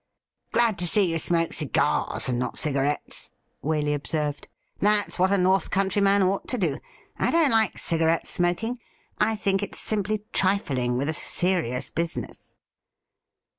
'Glad to see you smoke cigars, and not cigarettes,' Waley observed. ' That's what a North Country man ought to do. I don't like cigarette smoking. I think it's simply trifling with a serious business.'